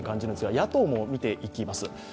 野党も見ていきます。